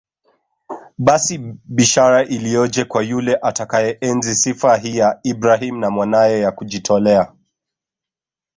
Basi bishara iliyoje kwa yule atakayeenzi sifa hii ya Ibrahim na Mwanaye ya kujitolea